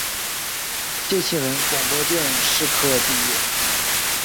谢其文广播电视科毕业。